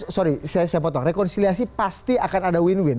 sorry saya potong rekonsiliasi pasti akan ada win win